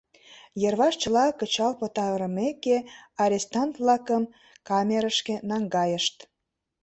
Йырваш чыла кычал пытарымеке, арестант-влакым камерышке наҥгайышт.